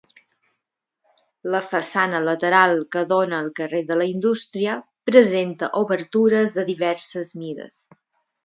La façana lateral que dóna al carrer de la Indústria, presenta obertures de diverses mides.